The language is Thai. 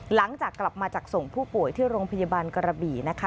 หลังจากกลับมาจากส่งผู้ป่วยที่โรงพยาบาลกระบี่นะคะ